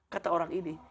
kata orang ini